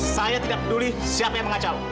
saya tidak peduli siapa yang mengacau